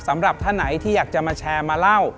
สำหรับท่านไหนที่อยากจะมาแชร์มาเล่า